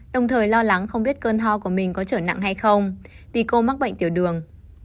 đồng thời lo lắng không biết cơn ho của mình có trở nặng hay không vì cô mắc bệnh tiểu đường